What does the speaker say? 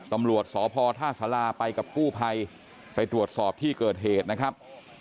ตำรวจสพท่าสาราไปกับกู้ภัยไปตรวจสอบที่เกิดเหตุนะครับ